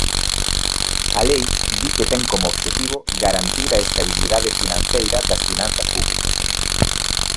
A lei di que ten como obxectivo garantir a estabilidade financeira das finanzas públicas.